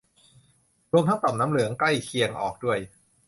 รวมทั้งต่อมน้ำเหลืองใกล้เคียงออกด้วย